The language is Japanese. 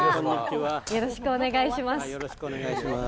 よろしくお願いします。